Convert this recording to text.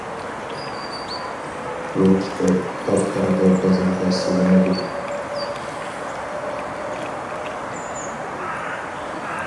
بۇ كىتاب پات ئارىدا بازارغا سېلىنىدۇ.